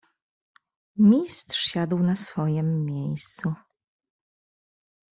"Mistrz siadł na swojem miejscu."